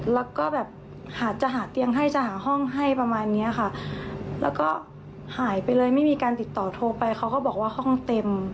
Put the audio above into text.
แล้วก็แบบหาจะหาเตียงให้จะหาห้องให้ประมาณเนี้ยค่ะแล้วก็หายไปเลยไม่มีการติดต่อโทรไปเขาก็บอกว่าห้องเต็ม